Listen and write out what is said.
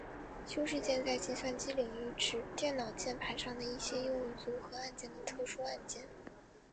修饰键在计算机领域指电脑键盘上的一些用于组合按键的特殊按键。